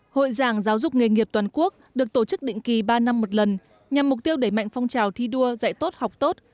hội giảng giáo dục nghề nghiệp toàn quốc được tổ chức định kỳ ba năm một lần nhằm mục tiêu đẩy mạnh phong trào thi đua dạy tốt học tốt